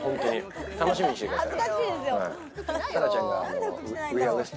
楽しみにしていてください。